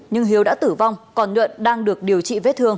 nhưng hiếu đã tử vong còn nhuận đang được điều trị vết thương